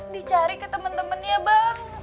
dicari ke temen temennya bang